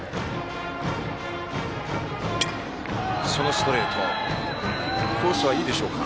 ストレート。コースはいいでしょうか。